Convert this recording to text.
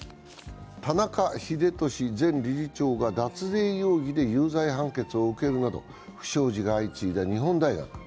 田中英寿前理事長が脱税容疑で有罪判決を受けるなど不祥事が相次いだ日本大学。